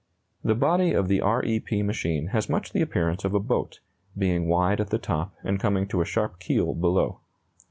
The body of the R E P machine has much the appearance of a boat, being wide at the top and coming to a sharp keel below.